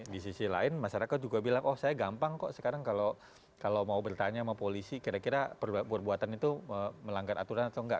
di sisi lain masyarakat juga bilang oh saya gampang kok sekarang kalau mau bertanya sama polisi kira kira perbuatan itu melanggar aturan atau enggak